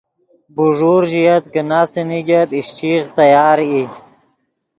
بوݱور ژئیت کہ ناسے نیگت اشچیغ تیار ای